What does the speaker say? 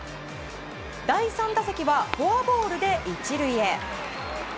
第３打席はフォアボールで１塁へ。